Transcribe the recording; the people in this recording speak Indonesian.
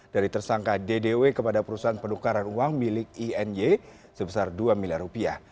dari tersangka ddw kepada perusahaan penukaran uang milik iny sebesar dua miliar rupiah